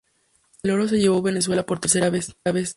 El oro se lo llevó Venezuela por tercera vez.